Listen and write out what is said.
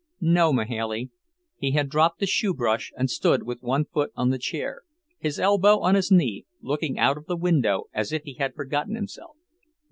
"No, Mahailey." He had dropped the shoebrush and stood with one foot on the chair, his elbow on his knee, looking out of the window as if he had forgotten himself.